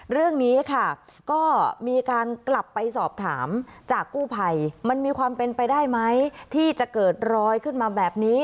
เรื่องนี้ค่ะก็มีการกลับไปสอบถามจากกู้ภัยมันมีความเป็นไปได้ไหมที่จะเกิดรอยขึ้นมาแบบนี้